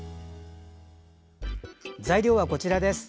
材料はこちらです。